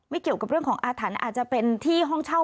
เกี่ยวกับเรื่องของอาถรรพ์อาจจะเป็นที่ห้องเช่า